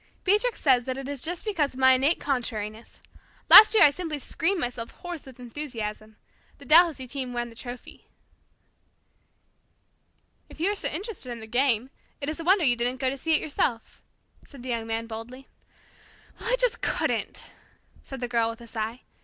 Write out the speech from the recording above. Beatrix says that it is just because of my innate contrariness. Last year I simply screamed myself hoarse with enthusiasm. The Dalhousie team won the trophy." "If you are so interested in the game, it is a wonder you didn't go to see it yourself," said the Young Man boldly. "Well, I just couldn't," said the Girl with a sigh.